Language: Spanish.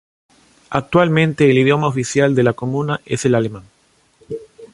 Actualmente el idioma oficial de la comuna es el alemán.